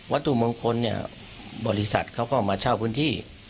วัดตุมงคลบริษัทเขาก็มาเช่าพื้นที่